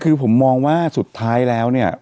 คือผมมองว่าสุดท้ายแล้วเนี่ย